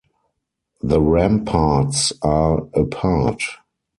The ramparts are apart.